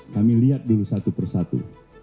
kami lihat dulu satu persatu